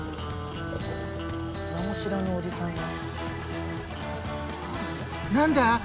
名も知らぬおじさんが。